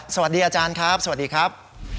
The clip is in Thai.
สวัสดีอาจารย์ครับสวัสดีครับ